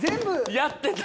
やってた！